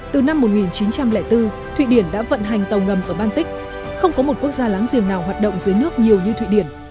từ năm một nghìn chín trăm linh bốn thụy điển đã vận hành tàu ngầm ở baltic không có một quốc gia láng giềng nào hoạt động dưới nước nhiều như thụy điển